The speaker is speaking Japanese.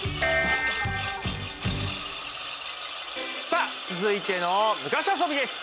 さあ続いての昔遊びです！